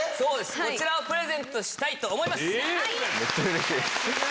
こちらをプレゼントしたいと思います。